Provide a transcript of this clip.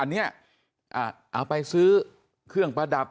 เอาไปซื้อเครื่องประดับ